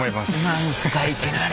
何すかいきなり。